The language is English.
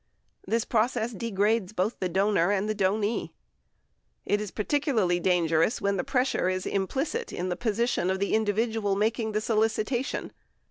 The process degrades both the donor and the donee. &#* It is particularly dangerous when the pressure is implicit in the position of the individual making the solicitation.